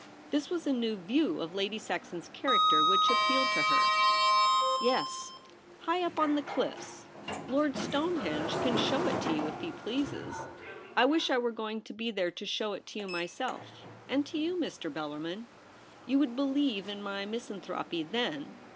This was a new view of Lady Saxon's character which appealed to hen * Yes, high up on the cliffs. Lord Stone henge can show it to you if he pleases. I wish I were going to be there to show it to you myself — and to you, Mr. Bellarmin ; you VOL. I. 19 290 THE REBEL ROSE. would believe in my misanthropy then.'